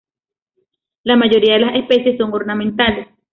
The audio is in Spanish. La mayoría de las especies son ornamentales.